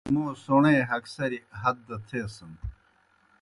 موں سوݨے ہگسریْ ہت دہ تھیسِن۔